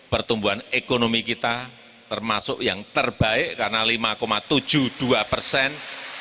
pertumbuhan ekonomi kita termasuk yang terbaik karena lima tujuh puluh dua persen